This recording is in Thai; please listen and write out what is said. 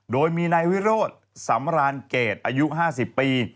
โดยมีนายวิโรธสำรานเกรดอายุ๕๐ปี